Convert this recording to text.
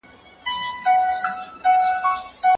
فلسفي بېجوابه مسایل او معماوې یوازې تخیلي او سفسطه ګرایانه دي.